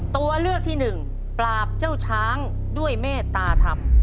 ตัวเลือกที่หนึ่งปราบเจ้าช้างด้วยเมตตาธรรม